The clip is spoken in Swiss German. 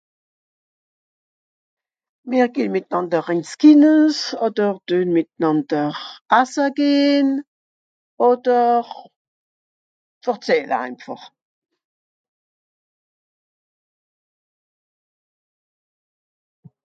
mer gehn mìtnànder ins Kines oder deun mìtnànder asse gehn oder vorzähle einfàch